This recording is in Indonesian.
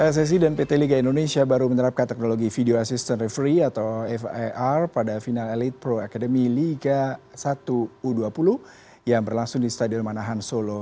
pssi dan pt liga indonesia baru menerapkan teknologi video assistant referee atau fiar pada final elite pro academy liga satu u dua puluh yang berlangsung di stadion manahan solo